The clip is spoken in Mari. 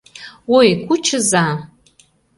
Ой, кучыза!